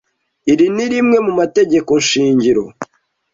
Iri ni rimwe mu mategeko shingiro.